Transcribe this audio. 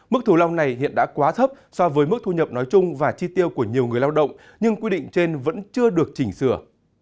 mức thù lao này hiện đã quá thấp so với mức thu nhập nói chung và chi tiêu của nhiều người lao động nhưng quy định trên vẫn chưa được chỉnh sửa